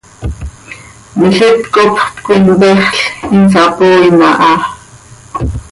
Milít copxöt coi mpexl, insapooin aha.